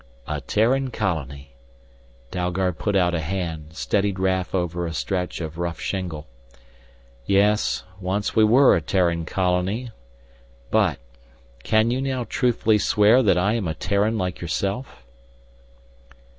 "A Terran colony." Dalgard put out a hand, steadied Raf over a stretch of rough shingle. "Yes, once we were a Terran colony. But can you now truthfully swear that I am a Terran like yourself?"